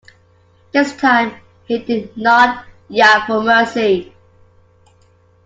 This time he did not yap for mercy.